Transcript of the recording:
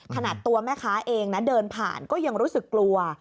ขนาดตัวแม่ค้าเองนะเดินผ่านก็ยังรู้สึกกลัว